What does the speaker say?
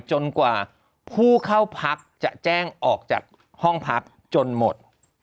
จนกว่าผู้เข้าพักจะแจ้งออกจากห้องพักจนหมด